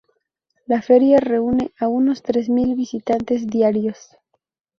La feria reúne a unos tres mil visitantes diarios.